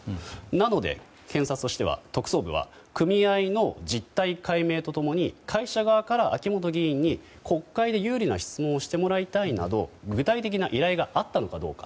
なので、検察としては特捜部は組合の実態解明と共に会社側から秋本議員に国会で有利な質問をしてもらいたいなど具体的な依頼があったのかどうか。